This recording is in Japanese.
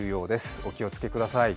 お気をつけください。